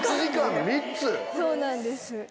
そうなんです。